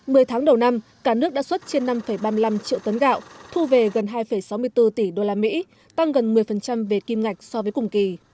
mười tháng đầu năm cả nước đã xuất trên năm ba mươi năm triệu tấn gạo thu về gần hai sáu mươi bốn tỷ usd tăng gần một mươi về kim ngạch so với cùng kỳ